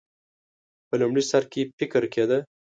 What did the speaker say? په لومړي سر کې فکر کېده.